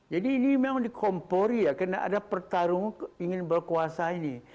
jadi ini memang dikompori ya karena ada pertarungan ingin berkuasa ini